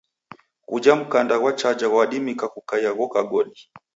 Ghuja mkanda ghwa chaja ghwadima kukaia ghoka godi.